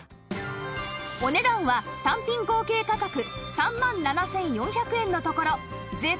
お値段は単品合計価格３万７４００円のところ税込